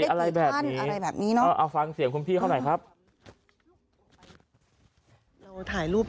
อะไรแบบนี้เอาฟังเสียงคุณพี่เข้าหน่อยครับ